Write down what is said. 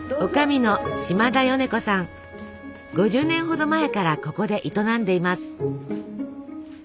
５０年ほど前からここで営んでいます。